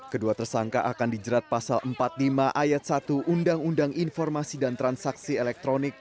kedua tersangka akan dijerat pasal empat puluh lima ayat satu undang undang informasi dan transaksi elektronik